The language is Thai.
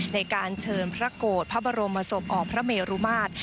ในการเชิญพระโกรธพระบรมศพออกพระเมรุมาตร